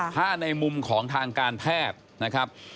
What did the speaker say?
ถ้าในมุมของทางการแพทย์นะครับ